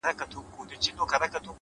• چي په ښکار به د مرغانو وو وتلی ,